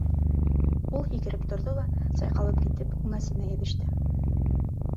Ул һикереп торҙо ла, сайҡалып китеп, үңәсенә йәбеште.